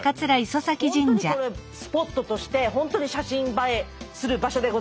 本当にこれスポットとして本当に写真映えする場所でございます。